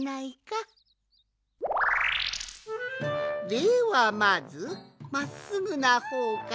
ではまずまっすぐなほうから。